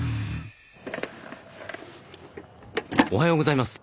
おはようございます！